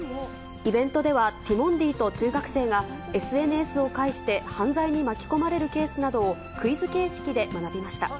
イベントでは、ティモンディと中学生が、ＳＮＳを介して犯罪に巻き込まれるケースなどを、クイズ形式で学びました。